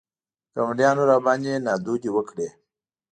ګاونډیانو راباندې نادودې وکړې.